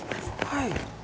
はい。